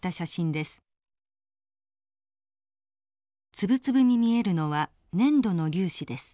粒々に見えるのは粘土の粒子です。